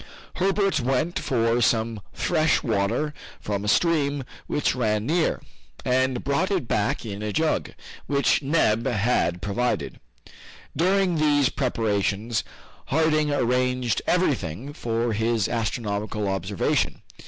Herbert went for some fresh water from a stream which ran near, and brought it back in a jug, which Neb had provided. During these preparations Harding arranged everything for his astronomical observation.